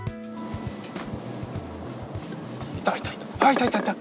いたいたいた。